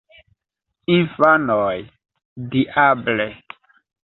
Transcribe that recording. Infanoj: "Diable!"